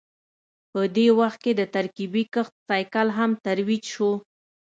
په دې وخت کې د ترکیبي کښت سایکل هم ترویج شو